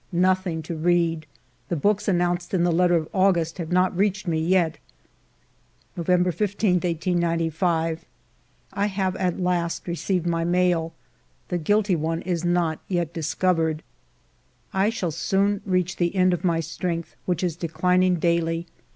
Nothing to read. The books announced in the letter of August have not reached me yet. November 15, 1895. I have at last received my mail. The guilty one is not yet discovered. I shall soon reach the end of my strength, which is declining daily.